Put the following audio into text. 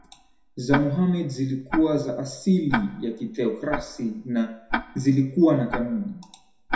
za Mohammed zilikuwa za asili ya kitheokrasi na zilikuwa na kanuni